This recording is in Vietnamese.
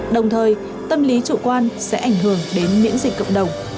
đồng thời tâm lý chủ quan sẽ ảnh hưởng đến nguồn lây